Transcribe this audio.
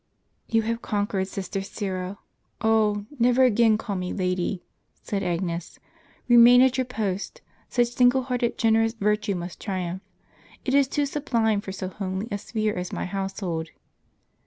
" You have conquered, sister Syra (oh ! never again call me lady)," said Agnes. "Kemain at your post; such single hearted, generous virtue must triumph. It is too sublime for so homely a sphere as my household."